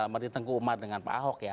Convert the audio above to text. merti tengku umar dengan pak ahok ya